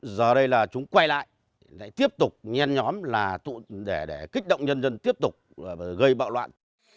giờ đây là chúng quay lại lại tiếp tục nhen nhóm là để kích động nhân dân tiếp tục gây bạo loạn